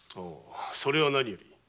それは何よりだ。